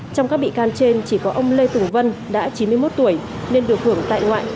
trong các bị can trên chỉ có ông lê tùng vân đã chín mươi một tuổi nên được hưởng tại ngoại